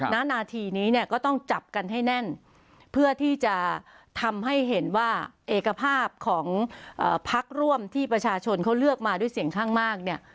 ณนาทีนี้เนี่ยก็ต้องจับกันให้แน่นเพื่อที่จะทำให้เห็นว่าเอกภาพของพักร่วมที่ประชาชนเขาเลือกมาด้วยเสียงข้างมากเนี่ย